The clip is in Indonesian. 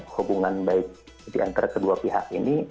hubungan baik diantara kedua pihak ini